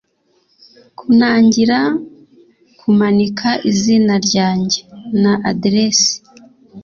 kunangira kumanika izina ryanjye na aderesi